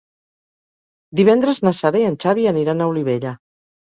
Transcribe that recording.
Divendres na Sara i en Xavi aniran a Olivella.